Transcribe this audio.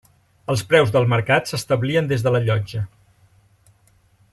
Els preus del mercat s'establien des de la llotja.